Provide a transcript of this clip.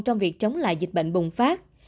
trong việc chống lại dịch bệnh bùng phát